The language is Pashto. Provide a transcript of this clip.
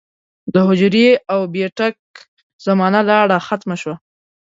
د حجرې او بېټک زمانه لاړه ختمه شوه